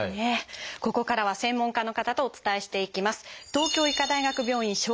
ここからは専門家の方とお伝えしていきます。